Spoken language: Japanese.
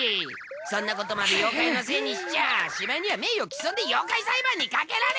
そんなことまで妖怪のせいにしちゃしまいには名誉棄損で妖怪裁判にかけられ。